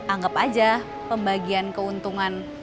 anggep aja pembagian keuntungan